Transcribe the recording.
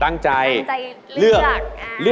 ถามพี่ปีเตอร์